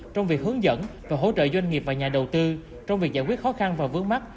trong việc hướng dẫn và hỗ trợ doanh nghiệp và nhà đầu tư trong việc giải quyết khó khăn và vướng mắt